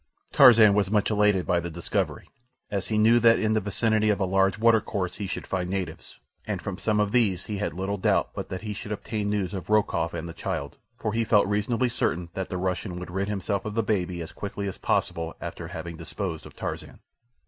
Tarzan was much elated by the discovery, as he knew that in the vicinity of a large watercourse he should find natives, and from some of these he had little doubt but that he should obtain news of Rokoff and the child, for he felt reasonably certain that the Russian would rid himself of the baby as quickly as possible after having disposed of Tarzan.